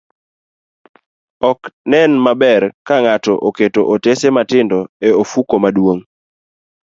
Ok nen maber ka ng'ato oketo otese matindo e ofuko maduong',